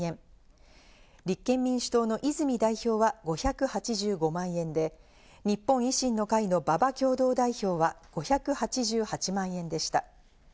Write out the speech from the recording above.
立憲民主党の泉代表は５８５万円で、日本維新の会の馬場共同代表は５８８万円でした。